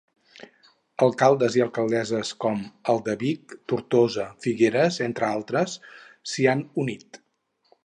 Alcaldes i alcaldesses com el de Vic, Tortosa, Figueres, entre altres, s'hi han unit.